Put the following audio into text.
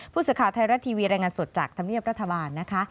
ผู้สื่อข่าวไทยรัฐทีวีรายงานสดจากธรรมเนียบรัฐบาลนะคะ